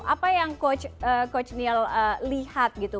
apa yang coach neil lihat gitu